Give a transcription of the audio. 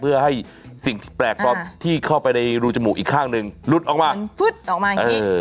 เพื่อให้สิ่งแปลกปลอมที่เข้าไปในรูจมูกอีกข้างหนึ่งหลุดออกมาฟึ๊ดออกมาอย่างนี้